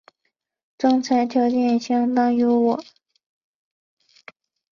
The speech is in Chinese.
征才条件相当优渥